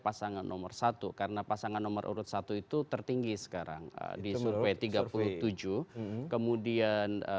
pasangan nomor satu karena pasangan nomor urut satu itu tertinggi sekarang di survei tiga puluh tujuh kemudian